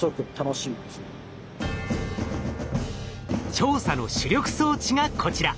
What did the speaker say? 調査の主力装置がこちら。